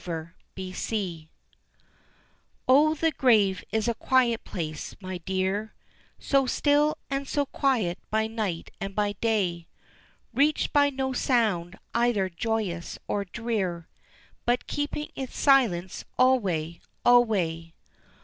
] The Grave O the grave is a quiet place, my dear, So still and so quiet by night and by day, Reached by no sound either joyous or drear, But keeping its silence alway, alway.